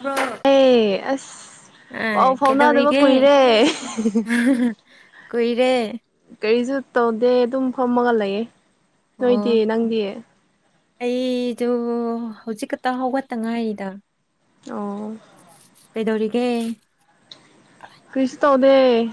bro ꯑꯦ ꯑꯁ ꯄꯥꯎ ꯑꯥ ꯐꯥꯎꯅꯗꯕ ꯀꯩꯗꯧꯔꯤꯒꯦ ꯀꯨꯏꯔꯦ ꯀꯨꯏꯔꯦ ꯀꯔꯤꯁꯨ ꯇꯧꯗꯦ ꯑꯗꯨꯝ ꯐꯝꯃꯒ ꯂꯩꯌꯦ ꯅꯣꯏꯗꯤ ꯅꯪꯗꯤ ꯑꯩꯗ ꯍꯧꯖꯤꯛ ꯈꯛꯇ ꯍꯧꯒꯠꯇ ꯉꯥꯏꯔꯤꯗ ꯑꯣ ꯗꯧꯔꯤꯒꯦ ꯑꯦ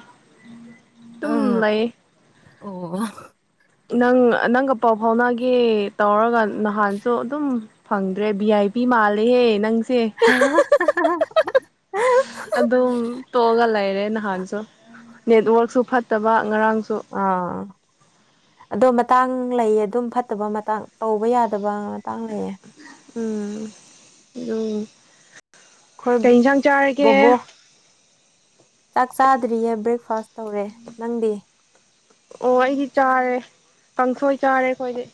ꯇꯝ ꯎꯝ ꯂꯩ ꯑꯣ ꯅꯪ ꯅꯪꯒ ꯄꯥꯎ ꯐꯥꯎꯅꯒꯦ ꯇꯧꯔꯒ ꯅꯍꯥꯟꯁꯨ ꯑꯗꯨꯝ ꯐꯪꯗ꯭ꯔꯦ ꯚ ꯑꯥꯏꯤ ꯄ ꯃꯥꯂꯦꯍꯦ ꯅꯪ [unintelligible] ꯑꯗꯨꯝ ꯇꯣꯛꯒ ꯂꯩꯔꯦ ꯅꯍꯥꯟꯁꯨ ꯅꯦꯠꯋꯔꯛꯁꯨ ꯐꯠꯇꯕ ꯉꯔꯥꯡꯁꯨ ꯑꯥ ꯑꯗꯣ ꯃꯇꯥꯡ ꯂꯩꯌꯦ ꯑꯗꯨꯝ ꯐꯠꯇꯕ ꯃꯇꯥꯡ ꯇꯧꯕ ꯌꯥꯗꯕ ꯃꯇꯥꯡ ꯂꯩꯌꯦ ꯎꯝ ꯑꯗꯨꯝ ꯑꯩꯈꯣꯏ ꯀꯩ ꯌꯦꯟꯁꯥꯡ ꯆꯥꯔꯒꯦ ꯕꯣꯕꯣ ꯆꯥꯛ ꯆꯥꯗ꯭ꯔꯤꯌꯦ ꯕ꯭ꯔꯦꯛꯐꯥꯁ ꯇꯧꯔꯦ ꯅꯪꯗꯤ ꯑꯣ ꯑꯩꯗꯤ ꯆꯥꯔꯦ ꯀꯥꯡꯊꯣꯏ ꯆꯥꯔꯦ ꯑꯩꯈꯣꯏꯗꯤ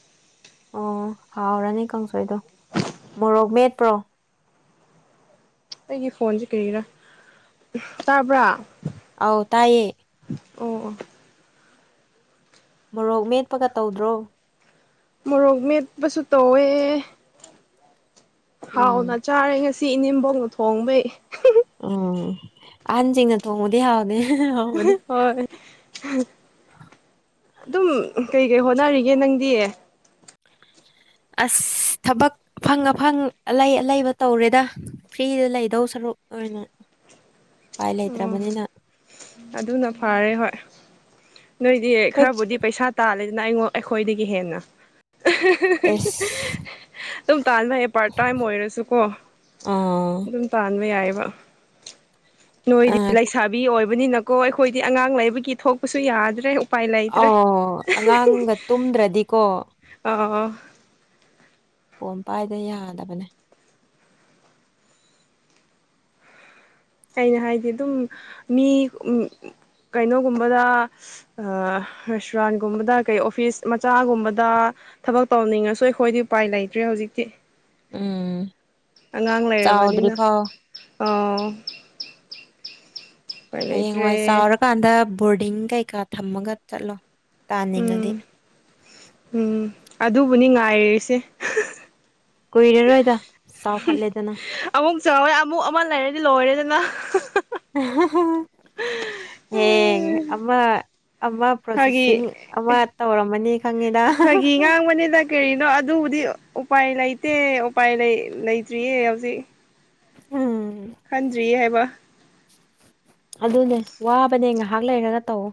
ꯑꯣ ꯍꯥꯎꯔꯅꯤ ꯀꯥꯡꯁꯣꯏꯗꯣ ꯃꯣꯔꯣꯛ ꯃꯦꯠꯄ꯭ꯔꯣ ꯑꯩꯒꯤ ꯐꯣꯟꯁꯦ ꯀꯔꯤꯒꯤꯔꯥ ꯇꯥꯕ꯭ꯔꯥ ꯑꯥꯎ ꯇꯥꯏꯌꯦꯌꯦ ꯑꯣ ꯑꯣ ꯃꯣꯔꯣꯛ ꯃꯦꯠꯄꯒ ꯇꯧꯗ꯭ꯔꯣ ꯃꯣꯔꯣꯛ ꯃꯦꯠꯄꯁꯨ ꯇꯧꯋꯦ ꯎꯝ ꯍꯥꯎꯅ ꯆꯥꯔꯦ ꯉꯁꯤ ꯏꯅꯤꯡꯕꯧꯅ ꯊꯣꯡꯕꯩ ꯎꯝ ꯑꯟꯖꯤꯡꯅ ꯊꯣꯡꯉꯗꯦ ꯌꯥ ꯍꯣꯏ ꯑꯗꯨꯝ ꯀꯩ ꯀꯩ ꯍꯣꯠꯅꯔꯤꯒꯦ ꯅꯪꯗꯤ ꯑꯁ ꯊꯕꯛ ꯑꯐꯪ ꯑꯐꯪ ꯑꯂꯩ ꯑꯂꯩꯕ ꯇꯧꯔꯦꯗ ꯐ꯭ꯔꯤꯗ ꯂꯩꯗꯧ ꯁꯔꯨꯛ ꯑꯣ ꯑꯣꯏꯅ [unintelligible] ꯎꯄꯥꯏ ꯑꯣ ꯂꯩꯇ꯭ꯔꯕꯅꯤꯅ ꯑꯗꯨꯅ ꯐꯔꯦ ꯍꯣꯏ ꯅꯣꯏꯗꯤ ꯑꯩꯈꯣꯏ ꯈꯔꯕꯨꯗꯤ ꯄꯩꯁꯥ ꯇꯥꯜꯂꯦꯗꯅ ꯑꯩꯉ ꯑꯩꯈꯣꯏꯗꯒꯤ ꯍꯦꯟꯅ ꯑꯦꯁ [unintelligible] ꯇꯥꯟꯕ ꯌꯥꯌꯦ ꯄꯥꯔꯠ ꯇꯥꯏꯝ ꯑꯣꯏꯔꯁꯨꯀꯣ ꯑꯥ ꯑꯗꯨꯝ ꯇꯥꯟꯕ ꯌꯥꯏꯑꯕ ꯅꯣꯏꯗꯤ ꯑꯥ ꯂꯩꯁꯥꯕꯤ ꯑꯣꯏꯕꯅꯤꯅꯀꯣ ꯑꯩꯈꯣꯏꯗꯤ ꯑꯉꯥꯡ ꯂꯩꯕꯒꯤ ꯊꯣꯛꯄꯁꯨ ꯌꯥꯗ꯭ꯔꯦ ꯎꯄꯥꯏ ꯂꯥꯏꯇ꯭ꯔꯦ ꯑꯣ ꯑꯉꯥꯡꯒ ꯇꯨꯝꯗ꯭ꯔꯗꯤꯀꯣ ꯑ ꯄꯣꯝ ꯄꯥꯏꯗ ꯌꯥꯗꯕꯅꯦ ꯀꯩꯅ ꯍꯥꯏꯗꯤ ꯑꯗꯨꯝ ꯃꯤ ꯎ ꯀꯩꯅꯣꯒꯨꯝꯕꯗ ꯔꯦꯁꯇꯨꯔꯥꯟꯒꯨꯝꯕꯗ ꯀꯩ ꯑꯣꯐꯤꯁ ꯃꯆꯥꯒꯨꯝꯕꯗ ꯊꯕꯛ ꯇꯧꯅꯤꯡꯉꯁꯨ ꯑꯩꯈꯣꯏꯗꯤ ꯎꯄꯥꯏ ꯂꯩꯇ꯭ꯔꯦ ꯍꯧꯖꯤꯛꯇꯤ ꯎꯝ ꯑꯉꯥꯡ ꯂꯩꯔꯕꯅꯤꯅ ꯆꯥꯎꯗ꯭ꯔꯤꯐꯥꯎ ꯑ ꯂꯩꯇ꯭ꯔꯦ ꯍꯌꯦꯡꯋꯥꯏ ꯆꯥꯎꯔꯀꯥꯟꯗ ꯕꯣꯔꯗꯤꯡ ꯀꯩꯀꯥ ꯊꯝꯃꯒ ꯆꯠꯂꯣ ꯇꯥꯅꯤꯡꯉꯗꯤ ꯎꯝ ꯎꯝ ꯑꯗꯨꯕꯨꯅꯤ ꯉꯥꯏꯔꯤꯁꯦ ꯀꯨꯏꯔꯔꯣꯏꯗ ꯆꯥꯎꯈꯠꯂꯦꯗꯅ ꯑꯃꯨꯛ ꯆꯥꯎꯎꯔꯦ ꯑꯃꯨꯛ ꯑꯃ ꯂꯩꯔꯗꯤ ꯂꯣꯏꯔꯦꯗꯅ ꯑꯦ ꯑꯃ ꯑꯃ ꯐꯥꯒꯤ ꯄ꯭ꯔꯣꯁꯦꯁꯤꯡ ꯑꯃ ꯇꯧꯔꯝꯃꯅꯤ ꯈꯪꯉꯤꯗ ꯐꯥꯒꯤ ꯉꯥꯡꯕꯅꯤꯗ ꯀꯔꯤꯅꯣ ꯑꯗꯨꯕꯨꯗꯤ ꯎꯄꯥꯏ ꯂꯩꯇꯦ ꯎꯄꯥꯏ ꯂꯩꯇ꯭ꯔꯤꯌꯦ ꯍꯧꯖꯤꯛ ꯎꯝ ꯍꯪꯗ꯭ꯔꯤ ꯍꯥꯏꯕ ꯑꯗꯨꯅꯦ ꯋꯥꯕꯅꯦ ꯉꯥꯏꯍꯥꯛ ꯂꯩꯔꯒ ꯇꯧꯑꯣ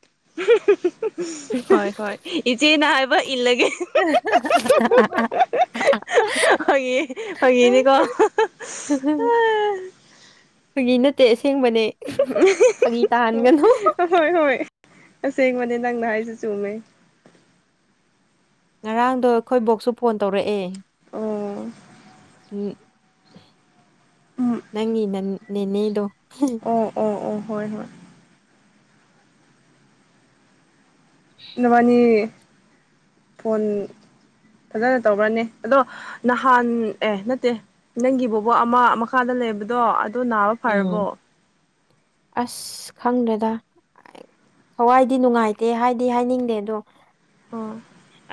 ꯍꯣꯏ ꯍꯣꯏ ꯏꯆꯦꯅ ꯍꯥꯏꯕ ꯏꯜꯂꯒꯦ [unintelligible] ꯐ ꯐꯒꯤꯅꯤꯀꯣ [unintelligible] ꯐꯥꯒꯤ ꯅꯠꯇꯦ ꯑꯁꯦꯡꯕꯅꯦ ꯐꯥꯒꯤ ꯇꯥꯍꯟꯒꯅꯨ ꯍꯣꯏ ꯍꯣꯏ ꯑꯁꯦꯡꯕꯅꯦ ꯅꯪꯅ ꯍꯥꯏꯁꯤꯦ ꯆꯨꯝꯃꯦ ꯉꯔꯥꯡꯗꯣ ꯑꯩꯈꯣꯏ ꯕꯣꯛꯁꯨ ꯐꯣꯟ ꯇꯧꯔꯛꯑꯦ ꯑꯣ ꯎꯝ ꯎꯝ ꯅꯪꯤ ꯅꯟ ꯅꯦ ꯅꯩꯅꯗꯣ ꯑꯣ ꯑꯣ ꯑꯣ ꯍꯣꯏ ꯍꯣꯏ ꯅꯃꯅꯤ ꯐꯣꯟ ꯐꯖꯅ ꯇꯧꯕ꯭ꯔꯅꯦ ꯑꯗꯣ ꯅꯍꯥꯟ ꯑꯦ ꯅꯠꯇꯦ ꯅꯪꯒꯤꯕꯨꯕ ꯑꯃ ꯃꯈꯥꯗ ꯂꯩꯕꯗꯣ ꯑꯗꯨ ꯅꯥꯕ ꯐꯔꯕꯣ ꯎꯝ ꯑꯁ ꯈꯪꯗꯦꯗ ꯊꯋꯥꯏꯗꯤ ꯅꯨꯡꯉꯥꯏꯇꯦ ꯍꯥꯏꯗꯤ ꯍꯥꯏꯅꯤꯡꯗꯦ ꯑꯗꯣ ꯑꯣ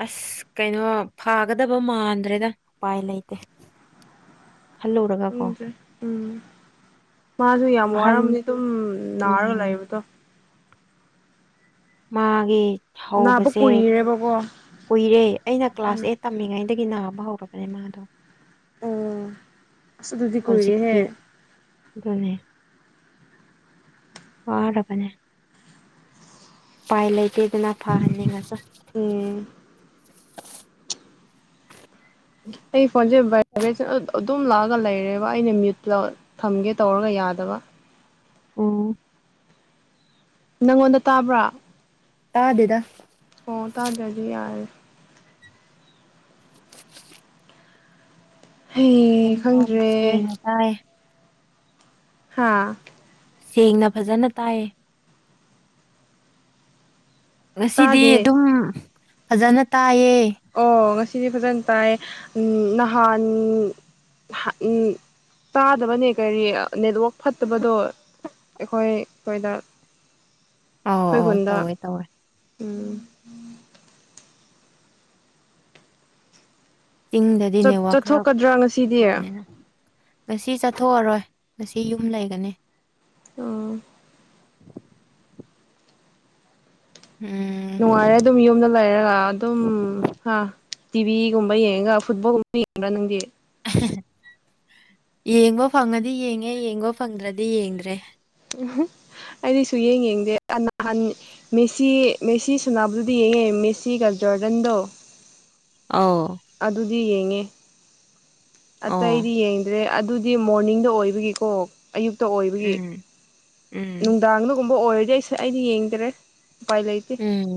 ꯑꯁ ꯀꯩꯅꯣ ꯐꯥꯒꯗꯕ ꯃꯥꯟꯗ꯭ꯔꯦꯗ ꯎꯄꯥꯏ ꯂꯩꯇꯦ ꯈꯜꯂꯔꯒ ꯀꯣ ꯈꯪꯗ꯭ꯔꯦ ꯎꯝ ꯃꯥꯁꯨ ꯌꯥꯝ ꯑꯍꯟ ꯋꯥꯔꯝꯅꯤ ꯑꯗꯨꯝ ꯅꯥꯔꯒ ꯎꯝ ꯂꯩꯕꯗꯣ ꯃꯥꯒꯤ ꯅꯥꯕ ꯍꯧꯕꯁꯦ ꯀꯨꯏꯔꯦꯕꯀꯣ ꯀꯨꯏꯔꯦ ꯑꯩꯅ ꯀ꯭ꯂꯥꯁ ꯎꯝ ꯑꯦꯠ ꯇꯝꯃꯤꯉꯩ ꯒꯤ ꯅꯥꯕ ꯍꯧꯔꯕꯅꯦ ꯃꯥꯗꯣ ꯑꯣ ꯑꯁ ꯑꯗꯨꯗꯤ ꯀꯔꯦꯍꯦ ꯑꯗꯨꯅꯦꯦ ꯋꯥꯔꯕꯅꯦ ꯎꯄꯥꯏ ꯂꯩꯇꯦꯗꯅ ꯐꯍꯟꯅꯤꯡꯉꯁ ꯎꯝ ꯑꯩ ꯐꯣꯟꯁꯦ ꯑꯗꯨꯝ ꯂꯥꯛ ꯂꯩꯔꯦꯕ ꯑꯩꯅ ꯃꯤ꯭ꯌꯨꯠ ꯊꯝꯒꯦ ꯇꯧꯔꯒ ꯌꯥꯗꯕ ꯑ ꯅꯪꯉꯣꯟꯗ ꯇꯥꯕ꯭ꯔꯥ ꯇꯥꯗꯦꯗ ꯑꯣ ꯇꯥꯗ꯭ꯔꯗꯤ ꯌꯥꯔꯦ ꯍꯩ ꯀꯩꯝ ꯇꯥꯗꯦ ꯈꯪꯗ꯭ꯔꯦ ꯁꯦꯡꯅ ꯇꯥꯏꯌꯦ ꯍꯥꯥ ꯁꯦꯡꯅ ꯐꯖꯅ ꯇꯥꯏꯌꯦ ꯉꯁꯤꯗꯤ ꯇꯥꯗꯦ ꯑꯗꯨꯝ ꯐꯖꯅ ꯇꯥꯏꯌꯦ ꯑꯣ ꯉꯁꯤ ꯁꯤꯗꯤ ꯐꯖꯅ ꯇꯥꯏ ꯅꯍꯥꯟ [unintelligible] ꯇꯥꯗꯕꯅꯦ ꯀꯔꯤ ꯅꯦꯠꯋꯛ ꯐꯠꯇꯕꯗꯣ ꯑꯩꯈꯣꯏ ꯀꯣꯏꯗꯥ ꯑꯥꯎ ꯑ ꯇꯧꯋꯦ ꯇꯧꯋꯦ ꯎꯝ ꯆꯤꯡꯗꯗꯤ ꯅꯦꯠꯋꯥꯛ ꯈꯔ ꯆꯠꯊꯣꯛꯀꯗ꯭ꯔꯥ ꯉꯁꯤꯗꯤ ꯐꯠꯇꯕꯅꯤꯅ ꯉꯁꯤ ꯆꯠꯊꯣꯛꯑꯔꯣꯏ ꯉꯁꯤ ꯌꯨꯝ ꯂꯩꯒꯅꯤ ꯑꯣ [unintelligible] ꯎꯝ ꯅꯨꯡꯉꯥꯏꯔꯦ ꯑꯗꯨꯝ ꯌꯨꯝꯗ ꯂꯩꯔꯒ ꯑꯗꯨꯝ ꯍꯥ ꯇꯤꯚꯤꯒꯨꯝꯕ ꯌꯦꯡꯉꯒ ꯐꯨꯠꯕꯣꯜꯒꯨꯝꯕ ꯌꯦꯡꯕ꯭ꯔꯥ ꯅꯪꯗꯤ ꯌꯦꯡꯕ ꯐꯪꯉꯗꯤ ꯌꯦꯡꯉꯦ ꯌꯦꯡꯕ ꯐꯪꯗ꯭ꯔꯗꯤ ꯌꯦꯡꯗ꯭ꯔꯦ ꯎꯝ ꯑꯩꯗꯤ ꯁꯨꯌꯦꯡ ꯌꯦꯡꯗꯦ ꯅꯍꯥꯟ ꯃꯦꯁꯤ ꯃꯦꯁꯤ ꯁꯅꯕꯗꯨꯗꯤ ꯌꯦꯡꯉꯦ ꯃꯦꯁꯤꯒ ꯖꯣꯔꯗꯟꯗꯣ ꯑꯥꯎ ꯑꯗꯨꯗꯤ ꯌꯦꯡꯉꯦ ꯑꯣ ꯑꯇꯩꯗꯤ ꯌꯦꯡꯗ꯭ꯔꯦ ꯑꯗꯨꯗꯤ ꯃꯣꯔꯅꯤꯡꯗ ꯑꯣꯏꯕꯒꯤꯀꯣ ꯑꯌꯨꯛꯇ ꯑꯣꯏꯕꯒꯤ ꯎꯝ ꯎꯝ ꯅꯨꯡꯗꯥꯡꯗꯒꯨꯝꯕ ꯑꯣꯏꯔ ꯑꯗꯨꯗꯤ ꯑꯩ ꯑꯩꯗꯤ ꯌꯦꯡꯗ꯭ꯔꯦ ꯎꯄꯥꯏ ꯂꯩꯇꯦ ꯎꯝ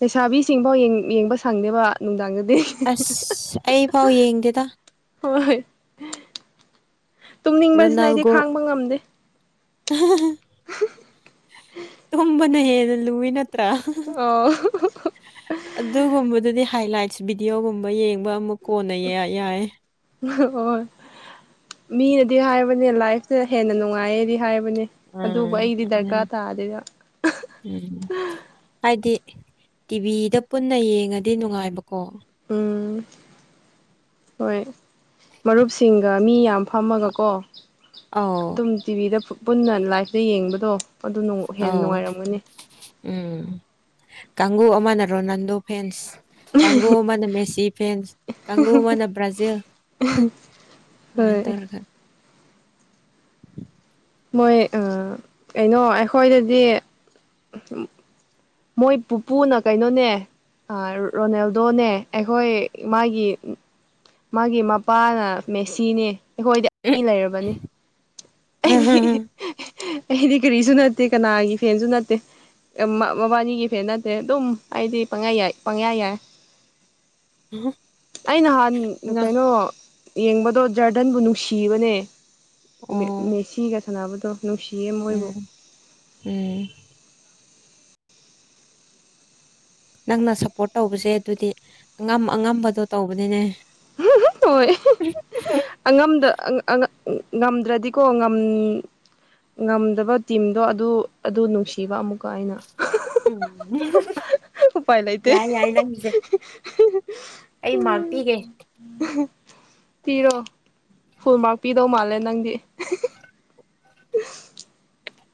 ꯂꯩꯁꯥꯕꯤꯁꯤꯡꯐꯥꯎ ꯌꯦꯡꯕ ꯁꯪꯗꯦꯕ ꯅꯨꯡꯗꯥꯡꯗ ꯑꯁ ꯑꯩꯐꯥꯎ ꯌꯦꯡꯗꯦꯗ ꯍꯣꯏ ꯍꯣꯏ ꯇꯨꯝꯅꯤꯡꯕꯁꯤꯅ ꯑꯩꯗꯤ ꯔꯣꯅꯥꯜꯒꯣ ꯈꯥꯡꯕ ꯉꯝꯗꯦ ꯇꯨꯝꯕꯅ ꯍꯦꯟꯅ ꯂꯨꯏꯅ ꯇ꯭ꯔ ꯑꯣ ꯑꯗꯨꯒꯨꯝꯕꯗꯨꯗꯤ ꯍꯥꯏꯂꯥꯏꯠꯁ ꯚꯤꯗꯤꯑꯣꯒꯨꯝꯕ ꯌꯦꯡꯕ ꯑꯃꯨꯛ ꯀꯣꯟꯅ ꯌꯥꯏ ꯍꯣꯏ ꯃꯤꯅꯗꯤ ꯍꯥꯏꯕꯅꯦ ꯂꯥꯏꯐꯁꯦ ꯍꯦꯟꯅ ꯅꯨꯡꯉꯥꯏꯌꯦꯗꯤ ꯍꯥꯏ ꯎꯝ ꯎꯝ ꯍꯥꯏꯗꯤ ꯇꯤꯚꯤꯗ ꯄꯨꯟꯅ ꯌꯦꯡꯉꯗꯤ ꯅꯨꯡꯉꯥꯏꯕꯀꯣ ꯎꯝ ꯍꯣꯏ ꯃꯔꯨꯞꯁꯤꯡꯒ ꯃꯤ ꯌꯥꯝ ꯐꯝꯃꯒꯀꯣ ꯑꯧ ꯑꯗꯨꯝ ꯇꯤꯚꯤꯗ ꯄꯨꯟꯅ ꯂꯥꯏꯐꯇ ꯌꯦꯡꯕꯗꯣ ꯑꯗꯨ ꯍꯦꯟꯅ ꯑꯧ ꯅꯨꯡꯉꯥꯏꯔꯝꯒꯅꯤ ꯎꯝ ꯀꯥꯡꯒꯨ ꯑꯃꯅ ꯔꯣꯅꯥꯜꯗꯣ ꯐꯦꯟꯁ ꯀꯥꯡꯕꯨ ꯑꯃꯅ ꯃꯦꯁꯤ ꯐꯦꯟꯁ ꯀꯥꯡꯕꯨ ꯑꯃꯅ ꯕ꯭ꯔꯥꯖꯤꯜ ꯑꯃꯥꯏ ꯍꯣꯏ ꯇꯧꯔꯒ ꯃꯣꯏ ꯀꯩꯅꯣ ꯑꯩꯈꯣꯏꯗꯗꯤ ꯃꯣꯏ ꯄꯨꯄꯨꯅ ꯀꯩꯅꯣꯅꯦ ꯔꯣꯅꯦꯜꯗꯣꯅꯦ ꯑꯩꯈꯣꯏ ꯏꯃꯥꯒꯤ ꯃꯥꯒꯤ ꯃꯄꯥꯅ ꯃꯦꯁꯤꯅꯦ ꯑꯩꯈꯣꯏꯗꯤ ꯑꯅꯤ ꯂꯩꯔꯕꯅꯤ ꯑꯩꯗꯤ ꯎꯝ ꯑꯩꯗꯤ ꯀꯔꯤꯁꯨ ꯅꯠꯇꯦ ꯀꯅꯥꯒꯤ ꯐꯦꯟꯁꯨ ꯅꯠꯇꯦ ꯃꯕꯥꯅꯤꯒꯤ ꯐꯦꯟ ꯅꯠꯇꯦ ꯑꯗꯨꯝ ꯑꯩꯗꯤ ꯄꯪꯌꯥ ꯌꯥꯏ ꯄꯪꯌꯥ ꯌꯥꯏ ꯑꯩ ꯅꯍꯥꯟ ꯉꯥ ꯀꯩꯅꯣ ꯌꯦꯡꯕꯗꯣ ꯖꯔꯗꯟꯕꯨ ꯅꯨꯡꯁꯤꯕꯅꯦ ꯑꯣ ꯃꯦꯁꯤꯒ ꯁꯥꯟꯅꯕꯗꯣ ꯅꯨꯡꯁꯤꯌꯦ ꯃꯣꯏꯕꯨ ꯎꯝ ꯎꯝ ꯅꯪꯅ ꯁꯞꯄꯣꯔꯠ ꯇꯧꯕꯁꯦ ꯑꯗꯨꯗꯤ ꯑꯉꯝ ꯑꯉꯝꯕꯗꯣ ꯇꯧꯕꯅꯤꯅꯦ ꯍꯣꯏ ꯑꯉꯝꯗ ꯉꯝꯗ꯭ꯔꯗꯤꯀꯣ ꯉꯝ ꯉꯝꯗꯕ ꯇꯤꯝꯗꯣ ꯑꯗꯨ ꯑꯗꯨ ꯅꯨꯡꯁꯤꯕ ꯑꯃꯨꯛꯀ ꯑꯩꯅ ꯎꯄꯥꯏ ꯂꯩꯇꯦ ꯌꯥ ꯌꯥꯏ ꯂ ꯃꯤꯖ ꯑꯩ ꯃꯥꯛꯇꯤꯒꯦ ꯄꯤꯔꯣ ꯐꯨꯜ ꯃꯥꯔꯛ ꯄꯤꯗꯧ ꯃꯥꯜꯂꯦ ꯅꯪꯗꯤ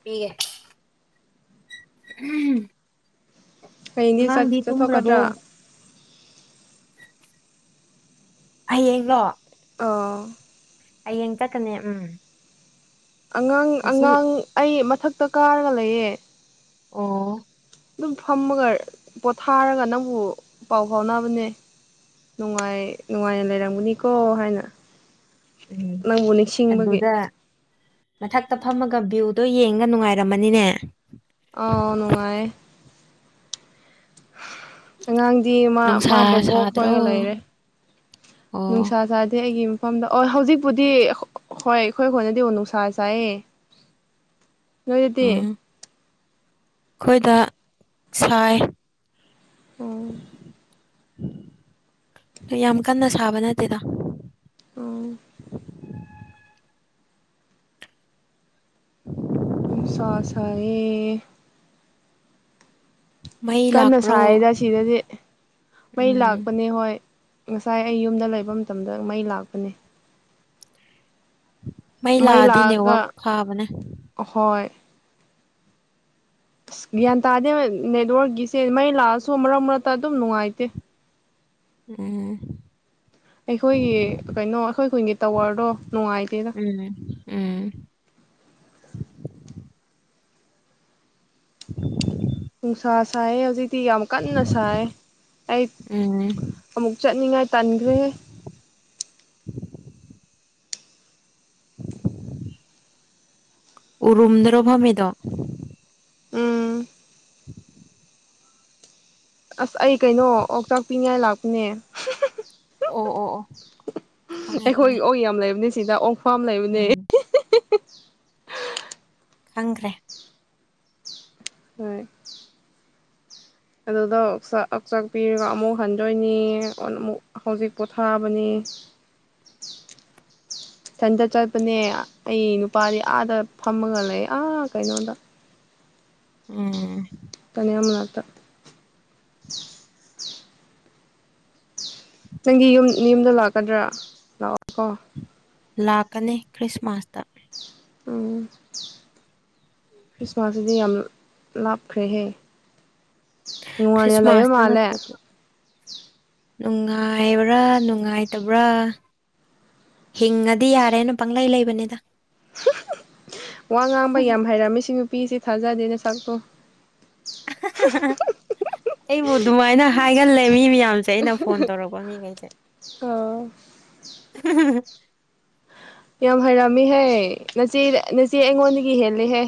ꯄꯦ ꯀꯩꯅꯦ ꯆꯠꯊꯣꯛꯀꯗ꯭ꯔꯥ ꯍꯌꯦꯡ ꯂꯣ ꯑꯥ ꯍꯌꯦꯡ ꯆꯛꯀꯅꯦ ꯎꯝ ꯑꯉꯥꯡ ꯉꯁꯤ ꯑꯉꯥꯡ ꯑꯩ ꯃꯊꯛꯇ ꯀꯥꯔꯒ ꯂꯩꯌꯦ ꯑꯣ ꯑꯗꯨꯝ ꯐꯝꯃꯒ ꯄꯣꯊꯥꯔꯒ ꯅꯪꯕꯨ ꯄꯥꯎ ꯐꯥꯎꯅꯕꯅꯦ ꯅꯨꯡꯉꯥꯏ ꯅꯨꯡꯉꯥꯏꯅ ꯂꯩꯔꯝꯒꯅꯤꯀꯣ ꯍꯥꯏꯅ ꯎꯝ ꯅꯪꯕꯨ ꯅꯤꯡꯁꯤꯡꯕꯒꯤ ꯑꯗꯨꯗ ꯃꯊꯛꯇ ꯐꯝꯃꯒ ꯚ꯭ꯌꯨꯗꯣ ꯌꯦꯡꯒ ꯅꯨꯡꯉꯥꯏꯔꯝꯃꯅꯤꯅꯦ ꯑꯥꯎ ꯑꯉꯥꯡ ꯗꯤ ꯃꯥ ꯅꯨꯡꯁꯥ ꯃꯥ ꯕꯕꯣꯛ ꯁꯥꯗ꯭ꯔꯣ ꯈꯣꯏꯒ ꯂꯩꯔꯦ ꯑꯣ ꯅꯨꯡꯁꯥ ꯆꯥꯗꯦ ꯑꯩꯒꯤ ꯃꯐꯝꯗ ꯑꯣ ꯍꯧꯖꯤꯛꯄꯨꯗꯤ ꯍꯣꯏ ꯑꯩꯈꯣꯏ ꯍꯣꯏꯅꯗꯤ ꯅꯨꯡꯁꯥ ꯆꯥꯏꯌꯦ ꯅꯣꯏ ꯑꯗꯨꯗꯤ ꯎꯝ ꯑꯩꯈꯣꯏꯗ ꯁꯥꯏ ꯑꯣ ꯌꯥꯝ ꯀꯟꯅ ꯁꯥꯕ ꯅꯠꯇꯦꯗ ꯑꯣ [inaudible] ꯅꯨꯪꯁꯥ ꯁꯥꯌꯦ ꯃꯩ ꯀꯟꯅ ꯂꯥꯛꯄ꯭ꯔꯣ ꯁꯥꯏꯌꯦꯗ ꯁꯤꯗꯗꯤ ꯃꯩ ꯎꯝ ꯂꯥꯛꯄꯅꯦ ꯍꯣꯏ ꯉꯁꯥꯏ ꯑꯩ ꯌꯨꯝꯗ ꯂꯩꯕ ꯃꯇꯝꯗ ꯃꯩ ꯂꯥꯛꯄꯅꯦ ꯃꯩ ꯂꯥꯛꯑꯗꯤ ꯅꯦꯠꯋꯥꯛ ꯐꯥꯕꯅꯦ ꯑꯍꯣꯏ ꯑꯁ ꯒ꯭ꯌꯥꯟ ꯇꯥꯗꯦ ꯅꯦꯠꯋꯥꯔꯛꯀꯤꯁꯦ ꯃꯩ ꯂꯥꯛꯑꯁꯨ ꯃꯔꯛ ꯃꯔꯛꯇ ꯑꯗꯨꯝ ꯅꯨꯡꯉꯥꯏꯇꯦ ꯎꯝ ꯑꯩꯈꯣꯏꯒꯤ ꯀꯩꯅꯣ ꯑꯩꯈꯣꯏ ꯈꯨꯟꯒꯤ ꯇꯋꯥꯔꯗꯣ ꯅꯨꯡꯉꯥꯏꯇꯦꯗ ꯎꯝ ꯎꯝ ꯎ ꯅꯨꯡꯁꯥ ꯁꯥꯏ ꯍꯧꯖꯤꯛꯇꯤ ꯌꯥꯝ ꯀꯟꯅ ꯁꯥꯏ ꯑꯩ ꯎꯝ ꯑꯃꯨꯛ ꯆꯠꯅꯤꯡꯉꯥꯏ ꯇꯥꯟꯈ꯭ꯔꯦ ꯎꯔꯨꯝ ꯗ꯭ꯔꯣꯚ ꯃꯗꯣ ꯎꯝ ꯑꯁ ꯑꯩ ꯀꯩꯅꯣ ꯑꯣꯆꯥꯛ ꯄꯤꯉꯥꯏ ꯂꯥꯛꯄꯅꯦ ꯑꯣ ꯑꯣ ꯑꯣ ꯈꯪꯉꯦ ꯈꯪꯉꯦ ꯑꯩꯈꯣꯏꯒꯤ ꯑꯣ ꯌꯥꯝ ꯂꯩꯕꯅꯦ ꯁꯤꯗ ꯑꯣꯛꯐꯥꯝ ꯂꯩꯕꯅꯦ ꯎꯝ ꯈꯪ꯭ꯔꯦ ꯑꯗꯨꯗꯛꯆꯥꯛ ꯄꯤꯔꯒ ꯑꯃꯨꯛ ꯍꯟꯗꯣꯏꯅꯤ ꯑꯣ ꯑꯃꯨꯛ ꯍꯧꯖꯤꯛ ꯄꯣꯊꯥꯕꯅꯤ [inaudible] ꯏꯊꯟꯗ ꯆꯠꯄꯅꯦ ꯑꯩ ꯅꯨꯄꯥꯗꯤ ꯑꯥꯗ ꯐꯝꯃꯒ ꯂꯩ ꯑꯥ ꯀꯩꯅꯣꯗ ꯎꯝ ꯇꯅꯌꯥ ꯑꯃꯅꯇ ꯅꯪꯒꯤ ꯌꯨꯝ ꯃꯤ ꯌꯨꯝꯗ ꯂꯥꯛꯀꯗ꯭ꯔꯥ ꯂꯥꯛꯑꯣ ꯀꯣ ꯂꯥꯛꯀꯅꯦ ꯈ꯭ꯔꯤꯁꯃꯥꯁꯇ ꯎꯝ ꯈ꯭ꯔꯤꯁꯃꯥꯁꯗꯤ ꯌꯥꯝ ꯂꯥꯞꯈ꯭ꯔꯦꯍꯦ ꯅꯨꯡꯉꯥꯅꯤꯅ ꯂꯩꯌꯣ ꯈ꯭ꯔꯤꯁꯃꯥꯁꯇ ꯃꯥꯜꯂꯦ ꯅꯠꯇ꯭ꯔꯗꯤ ꯅꯨꯡꯉꯥꯏꯕ꯭ꯔꯥ ꯅꯨꯡꯉꯥꯏꯇꯕ꯭ꯔꯥ ꯍꯤꯡꯉꯗꯤ ꯌꯥꯔꯦꯅ ꯄꯪꯂꯩ ꯂꯩꯕꯅꯤꯗ ꯋꯥ ꯉꯥꯡꯕ ꯌꯥꯝ ꯍꯩꯔꯝꯃꯤꯁꯤ ꯅꯨꯄꯤꯁꯦ ꯊꯥꯖꯗꯦꯅ ꯁꯛꯇꯣ ꯑꯩꯕꯨ ꯑꯗꯨꯃꯥꯏꯅ ꯍꯥꯏꯒꯜꯂꯦ ꯃꯤ ꯃꯌꯥꯝ ꯗꯛꯁꯦ ꯑꯩꯅ ꯐꯣꯟ ꯇꯧꯔꯛꯄ ꯃꯤꯈꯩꯁꯦ ꯑꯣ [unintelligible] ꯌꯥꯝ ꯍꯩꯔꯝꯃꯤꯍꯦ ꯅꯆꯦ ꯅꯆꯦ ꯑꯩꯉꯣꯟꯗꯒꯤ ꯍꯦꯜꯂꯦꯍꯦ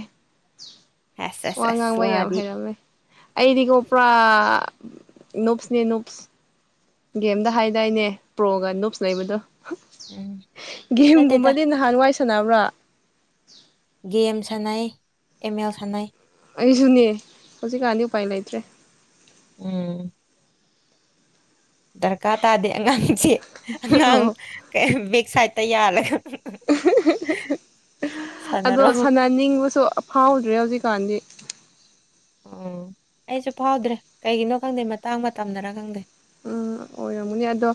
ꯑꯁ ꯋꯥ ꯑꯁ ꯑꯁ ꯉꯥꯡꯕ ꯌꯥꯝ ꯋꯥꯗꯤ ꯍꯩꯔꯝꯃꯦ ꯑꯩꯗꯤꯀꯣ ꯄꯨ꯭ꯔꯥ ꯞꯁꯅꯦ ꯞꯁ ꯒꯦꯝꯗ ꯍꯥꯏꯗꯥꯏꯅꯦ ꯄ꯭ꯔꯣꯒ ꯞꯁ ꯂꯩꯕꯗꯣ ꯎꯝ ꯅꯠꯇꯦꯗ ꯒꯦꯝꯒꯨꯝꯕꯗꯤ ꯅꯍꯥꯟꯋꯥꯏ ꯁꯅꯕ꯭ꯔꯥ ꯗꯤ ꯑꯦꯝ ꯁꯥꯟꯅꯩ ꯑꯦꯝ ꯑꯦꯜ ꯁꯥꯟꯅꯩ ꯑꯩꯁꯨꯅꯦ ꯍꯧꯖꯤꯛꯀꯥꯟꯗꯤ ꯎꯄꯥꯏ ꯂꯩꯇ꯭ꯔꯦ ꯎꯝ ꯗꯔꯀꯥꯔ ꯇꯥꯗꯦ ꯑꯉꯥꯡꯁꯦ ꯑꯉꯥꯡ ꯑꯣ ꯕꯦꯛ ꯁꯥꯏꯗꯠꯇ ꯌꯥꯜꯂꯒ ꯑꯗꯣ ꯁꯥꯟꯅꯔꯣ ꯁꯥꯟꯅꯅꯤꯡꯕꯁꯨ ꯑꯐꯥꯎꯗ꯭ꯔꯦ ꯍꯧꯖꯤꯛꯀꯥꯟꯗꯤ [unintelligible] ꯑꯣ ꯑꯩꯁꯨ ꯐꯥꯎꯗ꯭ꯔꯦ ꯀꯩꯒꯤꯅꯣ ꯈꯪꯗꯦ ꯃꯇꯥꯡ ꯃꯇꯝꯗꯅ ꯈꯪꯗꯦ ꯎꯝ ꯑꯣꯏꯔꯝꯃꯨꯅꯦ ꯑꯗꯣ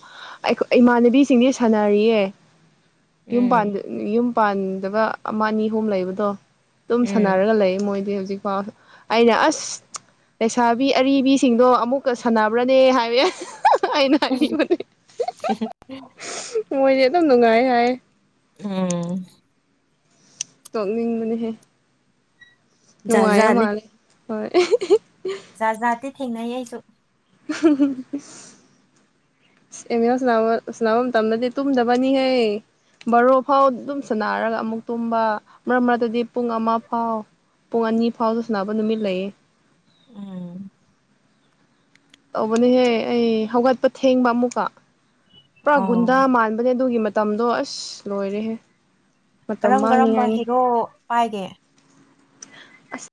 ꯑꯩꯈ ꯏꯃꯥꯟꯅꯕꯤꯁꯤꯡꯗꯤ ꯁꯥꯟꯅꯔꯤꯌꯦ ꯌꯨꯝ ꯎꯝ ꯌꯨꯝ ꯄꯥꯟꯗꯒ ꯑꯃ ꯑꯅꯤ ꯑꯍꯨꯝ ꯂꯩꯕꯗꯣ ꯑꯗꯨꯝ ꯎꯝ ꯁꯥꯟꯅꯔꯒ ꯂꯩ ꯃꯣꯏꯗꯤ ꯍꯧꯖꯤꯛꯐꯥꯎ ꯑꯩꯅ ꯑꯁ ꯂꯩꯁꯥꯕꯤ ꯑꯔꯤꯕꯤꯁꯤꯡꯗꯣ ꯑꯃꯨꯛꯀ ꯁꯥꯟꯅꯕ꯭ꯔꯅꯦ ꯍꯥꯏꯋ ꯑꯩꯅ ꯍꯥꯏꯕꯤꯕꯅꯦ ꯃꯣꯏꯗꯤꯦ ꯑꯗꯨꯝ ꯅꯨꯡꯉꯥꯏ ꯍꯥꯏ ꯎꯝ ꯇꯣꯛꯃꯤ ꯃꯅꯤꯍꯦ ꯖꯥꯠ ꯅꯨꯡꯉꯥꯏ ꯃꯥꯅꯦꯦ ꯍꯣꯏ ꯖꯥ ꯖꯥꯠꯇꯤ ꯊꯦꯡꯅꯩ ꯑꯩꯁꯨ [unintelligible] ꯑꯦꯃꯤꯅ ꯁꯅꯥ ꯁꯅꯥ ꯇꯅꯗꯤ ꯇꯨꯗꯕꯅꯤ ꯍꯥꯏ ꯕꯥꯔꯣ ꯐꯥꯎ ꯑꯗꯨꯝ ꯁꯅꯔꯒ ꯑꯃꯨꯛ ꯇꯨꯝꯕ ꯃꯔꯛ ꯃꯔꯛꯇꯗꯤ ꯄꯨꯡ ꯑꯃ ꯐꯥꯎ ꯄꯨꯡ ꯑꯅꯤ ꯐꯥꯎꯗ ꯁꯥꯟꯅꯕ ꯅꯨꯃꯤꯠ ꯂꯩꯌꯦ ꯎꯝ ꯇꯧꯕꯅꯤꯍꯦ ꯑꯩ ꯍꯧꯒꯠꯄ ꯊꯦꯡꯕ ꯑꯃꯨꯛꯀ ꯄꯨꯔꯥ ꯒꯨꯟꯗꯥ ꯑꯣ ꯃꯥꯟꯕꯅꯦ ꯑꯗꯨꯒꯤ ꯃꯇꯝꯗꯣ ꯑꯁ ꯂꯣꯏꯔꯦꯍꯦ ꯃꯇꯝ ꯀꯔꯝ ꯀꯔꯝꯕ ꯃꯥꯡꯅꯤꯉꯥꯏꯅꯤ ꯍꯦꯔꯣ ꯄꯥꯏꯒꯦ ꯑꯁ